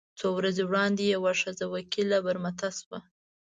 څو ورځې وړاندې یوه ښځه وکیله برمته شوه.